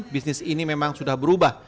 bisnis ini memang sudah berubah